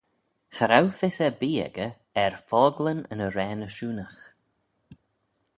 Cha row fys erbee echey er fockleyn yn arrane ashoonagh.